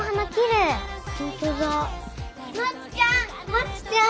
まちちゃん！